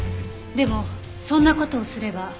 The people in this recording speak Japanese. でもそんな事をすれば。